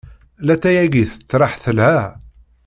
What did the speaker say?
Latay-agi tettraḥ telha.